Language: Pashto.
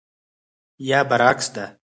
یا برعکس ده.